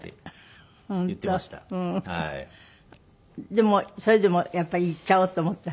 でもそれでもやっぱり行っちゃおうと思った？